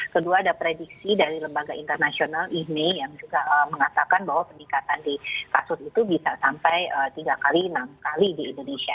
kedua ada prediksi dari lembaga internasional ini yang juga mengatakan bahwa peningkatan di kasus itu bisa sampai tiga kali enam kali di indonesia